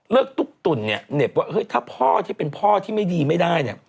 เริ่มตุกตุ่นนี่เหน็บว่าถ้าพ่อที่เป็นพ่อที่ไม่ดีไม่ได้